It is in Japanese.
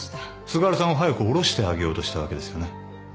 菅原さんを早く下ろしてあげようとしたわけですよね。